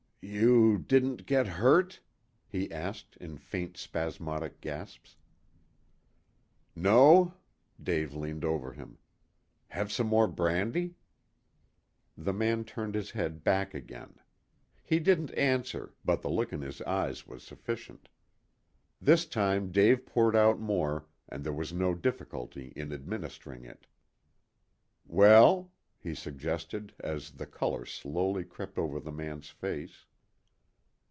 "You didn't get hurt?" he asked, in faint, spasmodic gasps. "No." Dave leaned over him. "Have some more brandy?" The man turned his head back again. He didn't answer, but the look in his eyes was sufficient. This time Dave poured out more, and there was no difficulty in administering it. "Well?" he suggested, as the color slowly crept over the man's face.